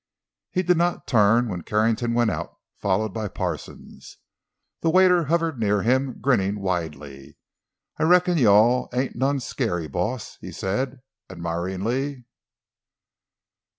He did not turn when Carrington went out, followed by Parsons. The waiter hovered near him, grinning widely. "I reckon you all ain't none scary, boss!" he said, admiringly.